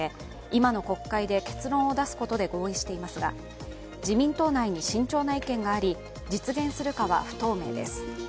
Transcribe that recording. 今の国会で結論を出すことで合意していますが、自民党内に慎重な意見があり、実現するかは不透明です。